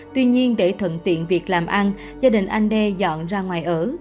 tuy nhiên để thuận tiện việc làm ăn gia đình anh đê dọn ra ngoài ở